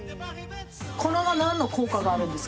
これは何の効果があるんですか？